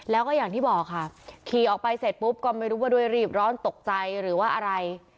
แล้วก็อย่างที่บอกค่ะขี่ออกไปเสร็จปุ๊บก็ไม่รู้ว่าด้วยรีบร้อนตกใจหรือว่าอะไร